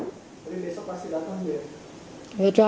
tapi besok pasti datang